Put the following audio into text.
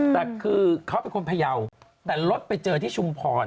แต่คือเขาเป็นคนพยาวแต่รถไปเจอที่ชุมพร